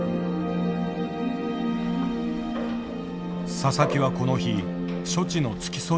佐々木はこの日処置の付き添いをするという。